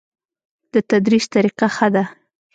د تدریس طریقه ښه ده؟